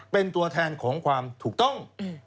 เป็นตัวแทนของความถูกต้อง